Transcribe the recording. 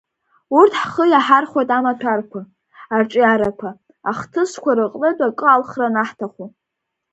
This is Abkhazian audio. Урҭ ҳхы иаҳархәоит амаҭәарқәа, арҿиарақәа, ахҭысқәа рыҟнытә акы алхра анаҳҭаху.